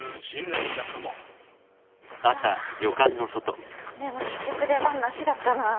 あでも結局出番なしだったなぁ。